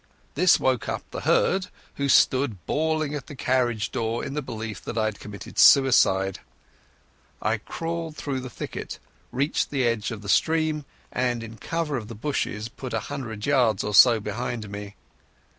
This woke up the herd, who stood bawling at the carriage door in the belief that I had committed suicide. I crawled through the thicket, reached the edge of the stream, and in cover of the bushes put a hundred yards or so behind me.